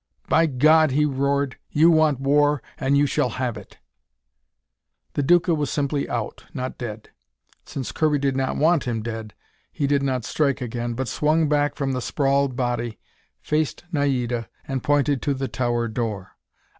"By God," he roared, "you want war, and you shall have it!" The Duca was simply out not dead. Since Kirby did not want him dead, he did not strike again, but swung back from the sprawled body, faced Naida, and pointed to the tower door.